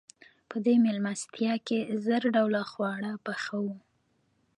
په دې مېلمستیا کې زر ډوله خواړه پاخه وو.